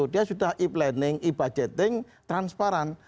dia sudah e planning e budgeting transparan